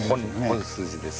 本筋です。